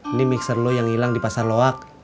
ini mixer lo yang hilang di pasar loak